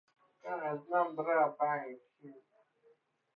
اثر هنری پرقیمت